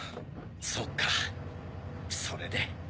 そっかそれで。